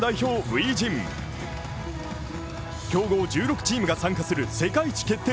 初陣強豪１６チームが参加する世界一決定